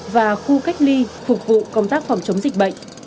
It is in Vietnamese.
và khu cách ly phục vụ công tác phòng chống dịch bệnh